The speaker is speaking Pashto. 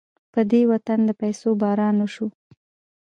په دې وطن د پيسو باران وشو.